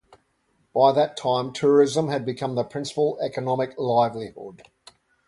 By that time tourism had become the principal economic livelihood.